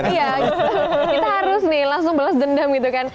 iya kita harus nih langsung balas dendam gitu kan